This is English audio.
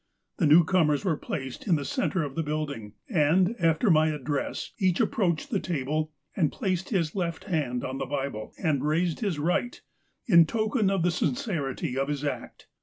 The newcomers were placed in the centre of the building, and, after my address, each approached the table, and placed his left hand on the Bible, and raised his right, in token of the sincerity of his act.